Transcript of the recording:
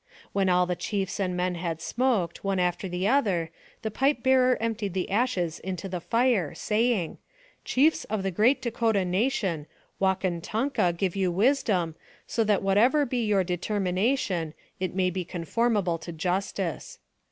When all the chiefs and men had smoked, one after the other, the pipe bearer emptied the ashes into the fire, saying, "Chiefs of the great Dakota nation, Wakon Tonka give you wisdom, so that whatever be your determi nation, it may be conformable to justice."